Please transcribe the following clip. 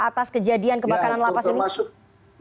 atas kejadian kebakaran lapas ini